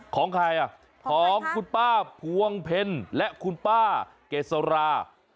ของใครอ่ะของคุณป้าพวงเพ็ญและคุณป้าเกษรา